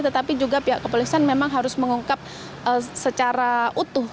tetapi juga pihak kepolisian memang harus mengungkap secara utuh